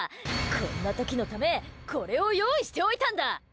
こんな時のためこれを用意しておいたんだ。